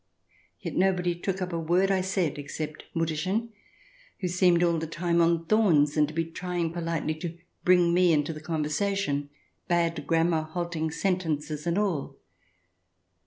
Yet nobody took up a word I said, except Mutterchen, who seemed all the time on thorns, and to be trying politely to bring me into the conversation, bad grammar, halting sentences and all.